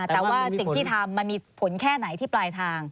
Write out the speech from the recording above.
แต่ว่าสิ่งที่ทำมันมีผลแค่ไหนที่ปลายทาง